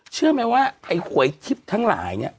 เชื่อไหมว่าไอ้หวยทิพย์ทั้งหลายเนี่ย